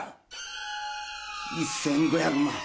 １，５００万。